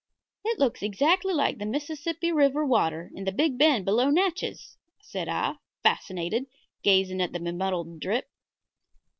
"It looks exactly like the Mississippi River water in the big bend below Natchez," said I, fascinated, gazing at the be muddled drip.